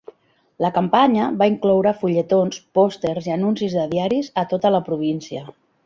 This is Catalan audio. La campanya va incloure fulletons, pòsters i anuncis de diaris a tota la província.